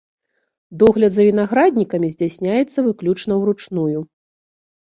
Догляд за вінаграднікамі здзяйсняецца выключна ўручную.